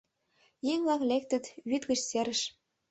Еҥ-влак лектыт вӱд гыч серыш